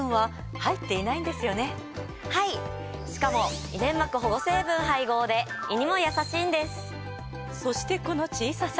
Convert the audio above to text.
はいしかも胃粘膜保護成分配合で胃にもやさしいんです。